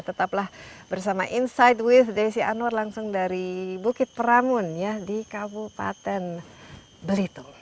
tetaplah bersama insight with desi anwar langsung dari bukit peramun di kabupaten belitung